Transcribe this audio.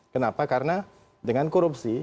kenapa karena dengan korupsi